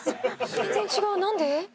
全然違うなんで？